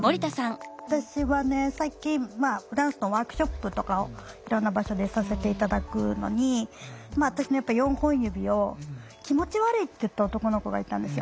私はね最近ダンスのワークショップとかをいろんな場所でさせて頂くのに私の４本指を気持ち悪いって言った男の子がいたんですよ。